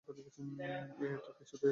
এ তো কিছুতেই হতে পারে না রসিকবাবু!